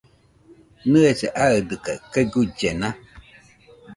¿Nɨese aɨdɨkaɨ kaɨ guillena?